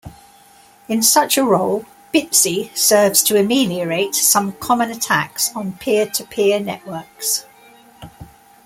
In such a role, Bitzi serves to ameliorate some common attacks on peer-to-peer networks.